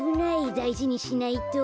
だいじにしないと。